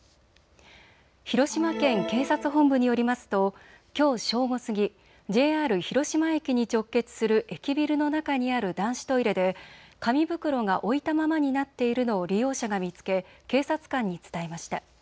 広島県警察本部によりますときょう正午過ぎ、ＪＲ広島駅に直結する駅ビルの中にある男子トイレで紙袋が置いたままになっているのを利用者が見つけ警察官に伝えました。